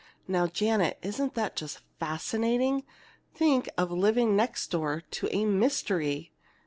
Now, Janet, isn't that just fascinating? Think of living next door to a mystery!"